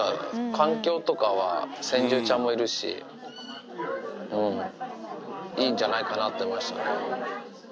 環境とかは先住ちゃんもいるし、うん、いいんじゃないかなと思いましたね。